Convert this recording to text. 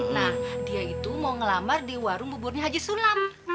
nah dia itu mau ngelamar di warung buburnya haji sulam